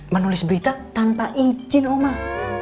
menulis berita tanpa izin allah